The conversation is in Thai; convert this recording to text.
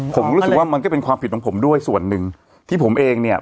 ผมรู้สึกว่ามันก็เป็นความผิดของผมด้วยส่วนหนึ่งที่ผมเองเนี่ย